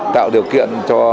tạo điều kiện cho